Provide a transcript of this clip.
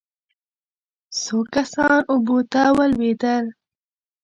څو کسان اوبو ته ولوېدل.